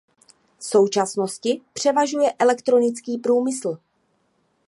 V současnosti převažuje elektrotechnický průmysl.